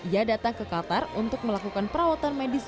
ia datang ke qatar untuk melakukan perawatan medis